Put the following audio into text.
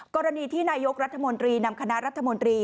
กรณีที่นายกรัฐมนตรีนำคณะรัฐมนตรี